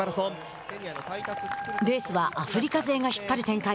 レースは、アフリカ勢が引っ張る展開。